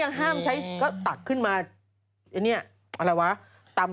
อ่าแอนชีสสวัสดีค่ะ